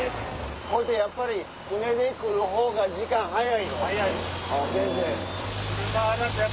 これってやっぱり船で来るほうが時間早いの？